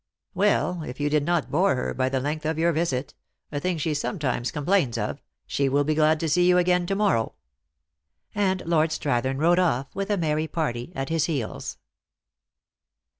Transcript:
" Well, if you did not bore her by the length of your visit a thing she sometimes complains of she will be glad to see you again to morrow." And Lord Strathern rode off with a merry party at his heels.